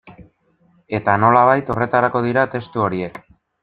Eta, nolabait, horretarako dira testu horiek.